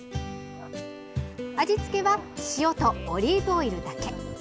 味付けは塩とオリーブオイルだけ。